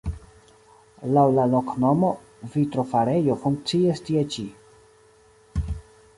Laŭ la loknomo vitrofarejo funkciis tie ĉi.